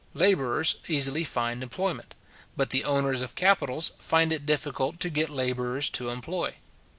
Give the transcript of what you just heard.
Labourers easily find employment; but the owners of capitals find it difficult to get labourers to employ.